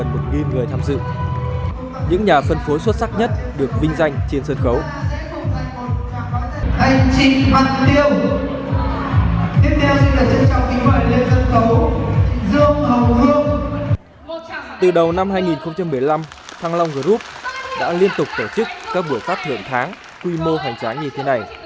từ đầu năm hai nghìn một mươi năm thăng long group đã liên tục tổ chức các buổi phát thưởng tháng quy mô hoành tráng như thế này